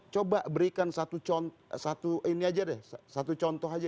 coba berikan satu contoh aja